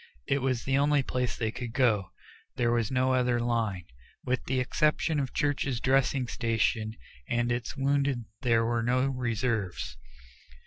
It was the only place they could go there was no other line. With the exception of Church's dressing station and its wounded there were no reserves.